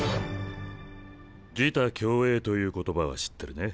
「自他共栄」という言葉は知ってるね？